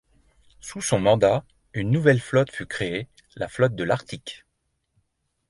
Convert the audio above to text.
Sous son mandat une nouvelle flotte fut créée la flotte de l'Arctique.